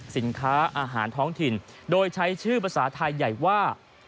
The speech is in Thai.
สินค้าอาหารท้องถิ่นโดยใช้ชื่อภาษาไทยใหญ่ว่า